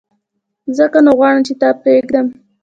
ځکه نو غواړم چي تا پرېږدم !